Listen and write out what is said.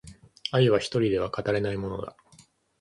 愛は一人では語れないものだ